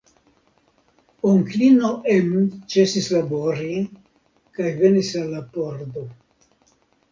Onklino Em ĉesis labori kaj venis al la pordo.